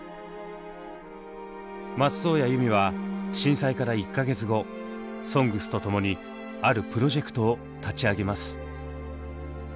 松任谷由実は震災から１か月後「ＳＯＮＧＳ」とともにあるプロジェクトを立ち上げます。